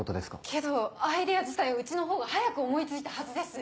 けどアイデア自体うちの方が早く思い付いたはずです！